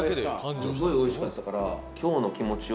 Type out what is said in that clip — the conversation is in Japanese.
すごいおいしかったから。